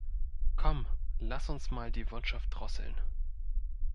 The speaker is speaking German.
Komm, lass uns mal die Wirtschaft drosseln.